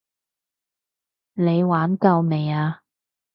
你玩夠未啊？